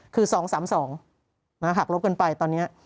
คือ๒๓๒หักลบกันไปตอนนี้